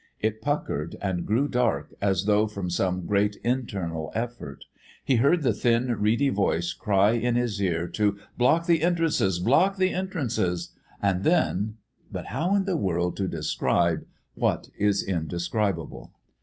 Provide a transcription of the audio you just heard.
It puckered and grew dark as though from some great internal effort. He heard the thin, reedy voice cry in his ear to "Block the entrances, block the entrances!" and then but how in the world describe what is indescribable?